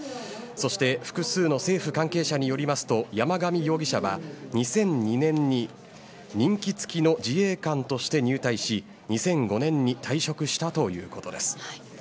そして、複数の政府関係者によりますと山上容疑者は２００２年に任期付きの自衛官として入隊し、２００５年に退職したということです。